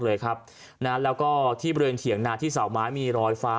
เลยครับนะแล้วก็ที่บริเวณเถียงนาที่เสาไม้มีรอยฟ้า